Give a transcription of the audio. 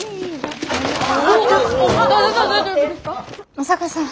野坂さん